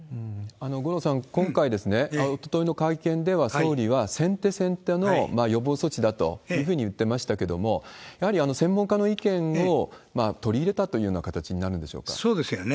五郎さん、今回、おとといの会見では、総理は先手先手の予防措置だというふうに言っていましたけれども、やはり専門家の意見を取り入れたというような形になるんでしょうそうですよね。